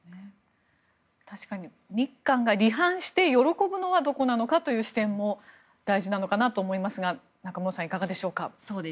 確かに日韓が離反して喜ぶのはどこなのかという視点も大事なのかなと思いますが中室さん、いかがでしょうか。